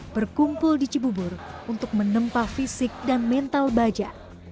berkumpul di cibubur untuk menempa fisik dan mental baja